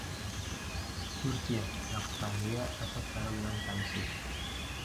Turkiya: Naqshbandiya asoslari bilan tanishuv